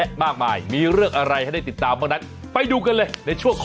เอามาเจอกับพี่พ่อเราแบบมีความสุขสาหรัน